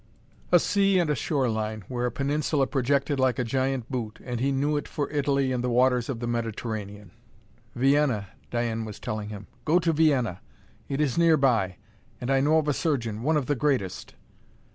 A sea and a shoreline, where a peninsula projected like a giant boot and he knew it for Italy and the waters of the Mediterranean. "Vienna," Diane was telling him; "go to Vienna! It is nearby. And I know of a surgeon one of the greatest!"